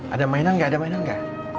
ada mainan gak ada mainan gak